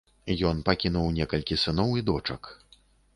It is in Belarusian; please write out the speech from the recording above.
Ён пакінуў некалькі сыноў і дочак.